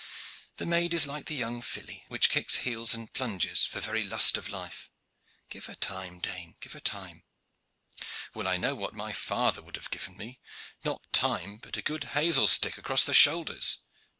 "The maid is like the young filly, which kicks heels and plunges for very lust of life. Give her time, dame, give her time." "Well, I know that my father would have given me, not time, but a good hazel stick across my shoulders.